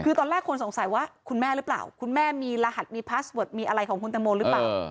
คือตอนแรกคนสงสัยว่าคุณแม่หรือเปล่าคุณแม่มีรหัสมีพาสเวิร์ดมีอะไรของคุณตังโมหรือเปล่า